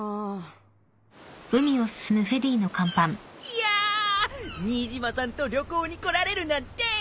いや新島さんと旅行に来られるなんて！